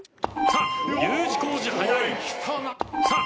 さあＵ字工事早い。